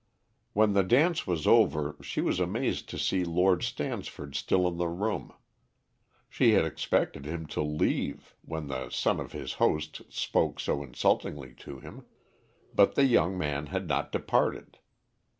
When the dance was over, she was amazed to see Lord Stansford still in the room. She had expected him to leave, when the son of his host spoke so insultingly to him, but the young man had not departed.